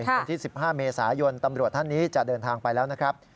วันที่๑๕เมษายนตำรวจท่านนี้จะเดินทางไปแล้วนะครับ